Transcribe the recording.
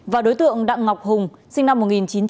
và đối tượng đặng ngọc hùng sinh năm một nghìn chín trăm tám mươi